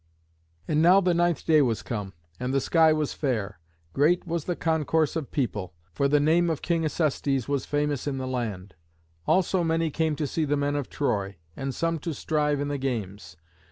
And now the ninth day was come, and the sky was fair. Great was the concourse of people, for the name of King Acestes was famous in the land. Also many came to see the men of Troy, and some to strive in the games.